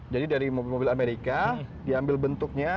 jadi mobil mobil amerika diambil bentuknya